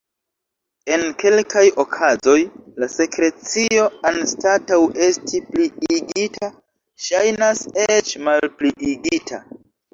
En kelkaj okazoj la sekrecio, anstataŭ esti pliigita, ŝajnas eĉ malpliigita.